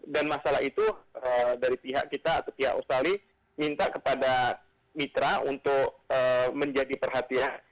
dan masalah itu dari pihak kita atau pihak australia minta kepada mitra untuk menjadi perhatian